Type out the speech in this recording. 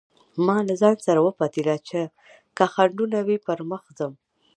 ما له ځانه سره وپتېيله چې که خنډونه وي پر مخ ځم.